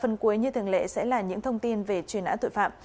phần cuối như thường lệ sẽ là những thông tin về truy nã tội phạm